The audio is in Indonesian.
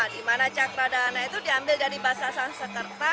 dimana cakra dahana itu diambil dari bahasa sansekerta